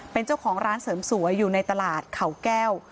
เป็นเจ้าของร้านเสริมสวยอยู่ในตลาดเขาแก้ว